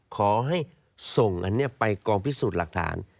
ขอให้ส่งอันนี้ไปกองพิสูจน์หลักฐาน